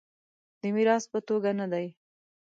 د میراث په توګه نه دی.